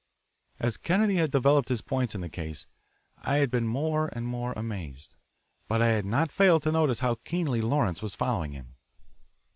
As Kennedy had developed his points in the case I had been more and more amazed. But I had not failed to notice how keenly Lawrence was following him.